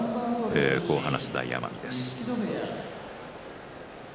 こう話す大奄美です。